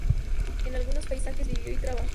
En algunos países, vivió y trabajó.